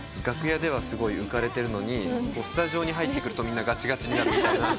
楽屋ではすごい浮かれてるのにスタジオに入ってくるとみんながちがちに。